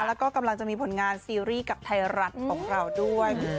แล้วก็กำลังจะมีผลงานซีรีส์กับไทยรัฐของเราด้วย